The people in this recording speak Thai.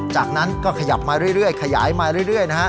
จากนั้นก็ขยับมาเรื่อยขยายมาเรื่อยนะฮะ